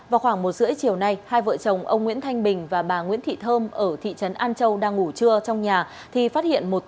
vào khoảng một h ba mươi chiều nay hai vợ chồng ông nguyễn thanh bình và bà nguyễn thị thơm ở thị trấn an châu đang ngủ trưa trong nhà thì phát hiện